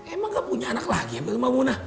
emang gak punya anak lagi ya beli sama temuna